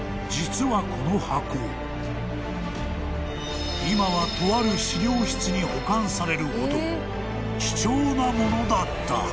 実はこの箱今はとある資料室に保管されるほど貴重なものだった］